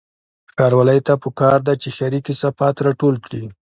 ښاروالۍ ته پکار ده چې ښاري کثافات راټول کړي